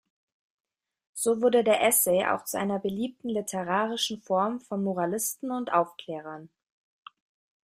So wurde der Essay auch zu einer beliebten literarischen Form von Moralisten und Aufklärern.